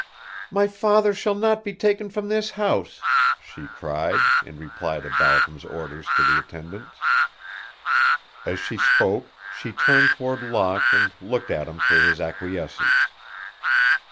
"My father shall not be taken from this house," she cried, in reply to Balcom's orders to the attendants. As she spoke she turned toward Locke and looked at him for his acquiescence.